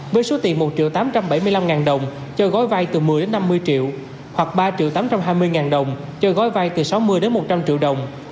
với số tiền một tám trăm bảy mươi năm đồng cho gói vai từ một mươi năm mươi triệu hoặc ba tám trăm hai mươi đồng cho gói vai từ sáu mươi một trăm linh triệu đồng